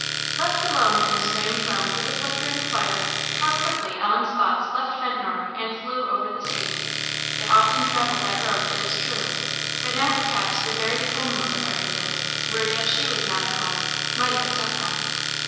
Left alone in the strange room with the flickering fire, how quickly Ellen's thoughts left Ventnor and flew over the sea! They often travelled that road, it is true, but now perhaps the very home look of everything, where yet she was not at home, might have sent them.